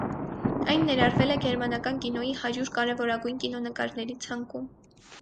Այն ներառվել է գերմանական կինոյի հարյուր կարևորագույն կինոնկարների ցանկում։